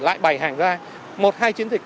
lại bày hàng ra một hai chiến dịch